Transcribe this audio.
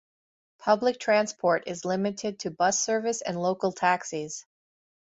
Public transport is limited to bus service and local taxis.